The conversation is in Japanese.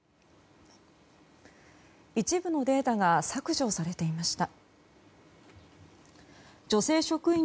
一部のデータが削除されていました。